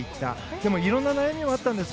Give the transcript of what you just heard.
でも、色んな悩みもあったんです。